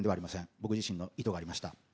僕自身の意図がありました。